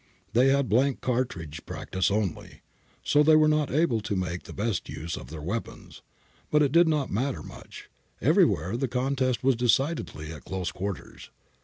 They had blank cartridge practice only. So they were not able to make the best use of their weapons. But it did not matter much ; everywhere the contest was decidedly at close quarters.